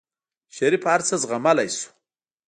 شريف هر څه زغملی شو.